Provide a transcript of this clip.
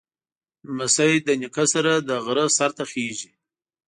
لمسی له نیکه سره د غره سر ته خېږي.